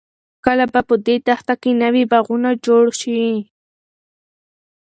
کله به په دې دښته کې نوې باغونه جوړ شي؟